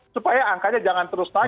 supaya angkanya jangan terus naik